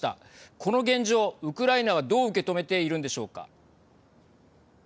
この現状、ウクライナはどう受け止めているんでしょうか。